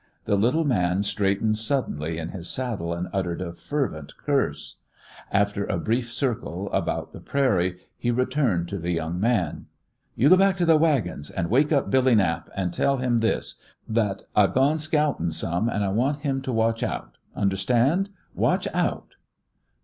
The little man straightened suddenly in his saddle and uttered a fervent curse. After a brief circle about the prairie, he returned to the young man. "You go back to th' wagons, and wake up Billy Knapp, and tell him this that I've gone scoutin' some, and I want him to watch out. Understand? _Watch out!